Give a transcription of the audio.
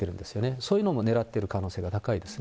そういうのもねらっている可能性が高いですね。